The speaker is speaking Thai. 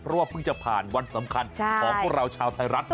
เพราะว่าเพิ่งจะผ่านวันสำคัญของพวกเราชาวไทยรัฐ